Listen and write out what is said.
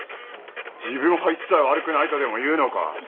自分は一切悪くないとでも言うのか！？